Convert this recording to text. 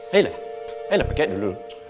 ayolah ayolah pake dulu